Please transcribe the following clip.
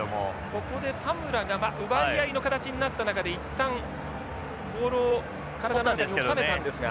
ここで田村が奪い合いの形になった中で一旦ボールを体の中に収めたんですが。